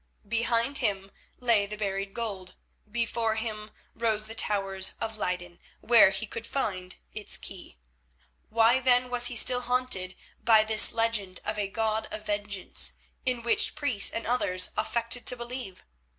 Behind him lay the buried gold; before him rose the towers of Leyden, where he could find its key. A God! that haunting legend of a God of vengeance, in which priests and others affected to believe?